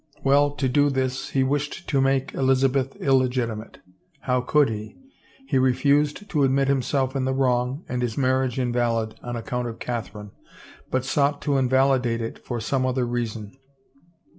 Well, to do this, he wished to make Elizabeth illegitimate. How could he? He refused to admit himself in the wrong and his marriage invalid on account of Catherine, but sought to invalidate it for some other reason.